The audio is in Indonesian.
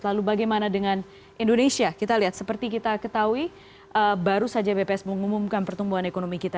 lalu bagaimana dengan indonesia kita lihat seperti kita ketahui baru saja bps mengumumkan pertumbuhan ekonomi kita